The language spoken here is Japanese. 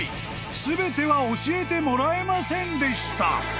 ［全ては教えてもらえませんでした］